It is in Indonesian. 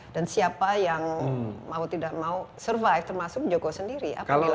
dan siapa yang mau tidak mau survive termasuk joko sendiri apa yang dilakukan